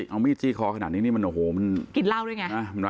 เอามีดจี้คอขนาดนี้มันโอ้โหมันร้ายแวง